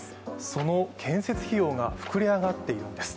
その建設費用が膨れ上がっているんです。